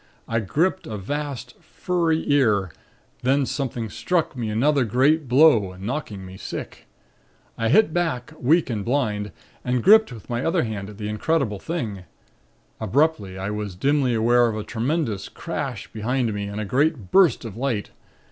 I gripped a vast, furry ear. Then something struck me another great blow knocking me sick. I hit back, weak and blind and gripped with my other hand at the incredible thing. Abruptly I was dimly aware of a tremendous crash behind me and a great burst of light.